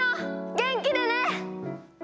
元気でね！